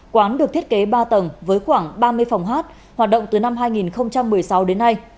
quán được thiết kế ba tầng với khoảng ba mươi phòng hát hoạt động từ năm hai nghìn một mươi sáu đến nay